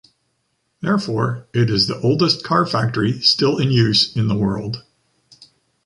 Therefore, it is the oldest car factory still in use in the world.